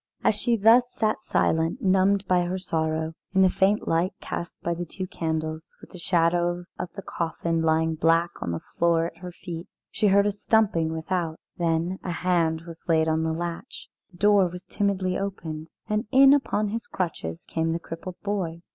As she thus sat silent, numbed by her sorrow, in the faint light cast by the two candles, with the shadow of the coffin lying black on the floor at her feet, she heard a stumping without; then a hand was laid on the latch, the door was timidly opened, and in upon his crutches came the crippled boy.